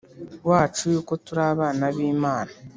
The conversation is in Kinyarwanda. wacu yuko turi abana b Imana